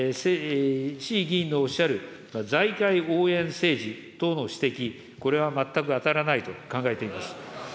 志位議員のおっしゃる財界応援政治等の指摘、これは全くあたらないと考えています。